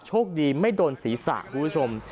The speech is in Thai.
โชคดีไม่โดนศีรษะคุณผู้ชม